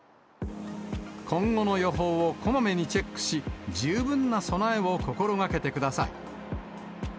今後の予報をこまめにチェックし、十分な備えを心がけてください。